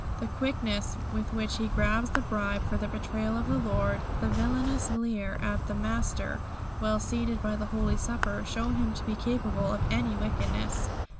The quickness with which he grabs the bribe for the betrayal of the Lord, the villainous leer at the Master while seated at the holy supper, show him to be capable of any wickedness.